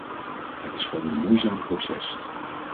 Het is gewoon een moeizaam proces.